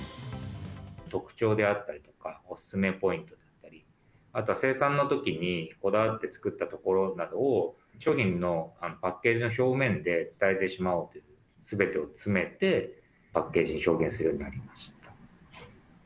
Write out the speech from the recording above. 特徴であったりとか、お勧めポイントだったり、あとは生産のときにこだわって作ったところなどを、商品のパッケージの表面で伝えてしまおうと、すべてを詰めてパッケージで表現するようになりました。